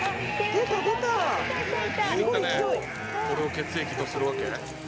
これを血液とするわけ？